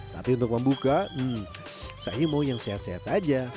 tapi untuk membuka hmm sahimo yang sehat sehat saja